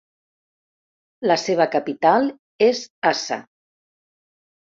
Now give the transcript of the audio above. La seva capital és Assa.